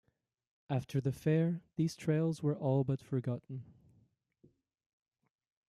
After the fair, these trails were all but forgotten.